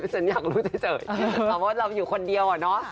ฉันอยากรู้เจ๋ยสมมุติว่าเราอยู่คนเดียวอ่ะเนาะ